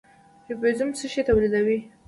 رایبوزوم څه شی تولیدوي؟